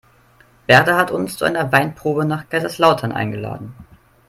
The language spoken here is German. Berta hat uns zu einer Weinprobe nach Kaiserslautern eingeladen.